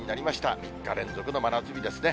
３日連続の真夏日ですね。